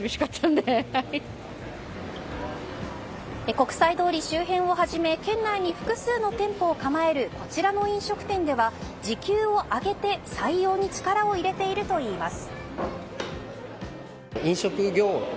国際通り周辺をはじめ県内に複数の店舗を構えるこちらの飲食店では時給を上げて採用に力を入れているといいます。